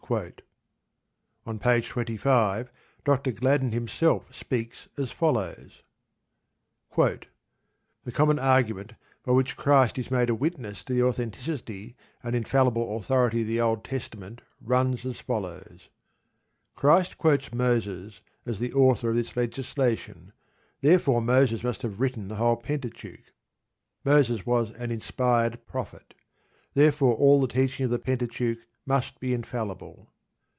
On page 25 Dr. Gladden himself speaks as follows: The common argument by which Christ is made a witness to the authenticity and infallible authority of the Old Testament runs as follows: Christ quotes Moses as the author of this legislation; therefore Moses must have written the whole Pentateuch. Moses was an inspired prophet; therefore all the teaching of the Pentateuch must be infallible.